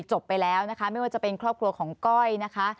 ไปแล้วนะคะไม่ว่าจะเป็นครอบครัวของก้อยนะคะ